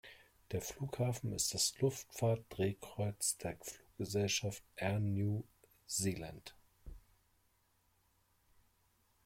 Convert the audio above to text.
Der Flughafen ist das Luftfahrt-Drehkreuz der Fluggesellschaft Air New Zealand.